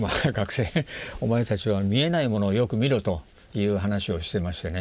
「お前たちは見えないものをよく見ろ」という話をしてましてね。